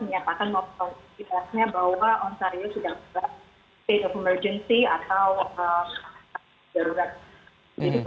menyatakan bahwa ontario sudah berada di state of emergency atau jarak